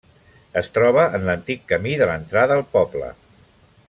Es troba en l'antic camí de l'entrada al poble.